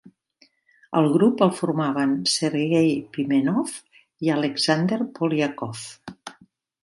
El grup el formaven Sergei Pimenov i Alexander Polyakov.